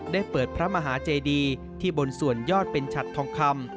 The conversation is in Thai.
ได้เปิดพระมหาเจดีที่บนส่วนยอดเป็นฉัดทองคำ